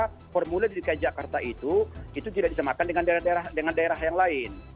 bahwa formulir dki jakarta itu tidak disemakan dengan daerah yang lain